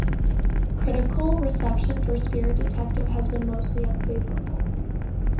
Critical reception for "Spirit Detective" has been mostly unfavorable.